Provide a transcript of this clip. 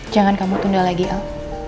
jangan kamu tunda lagi al